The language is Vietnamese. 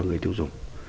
và người tiêu dùng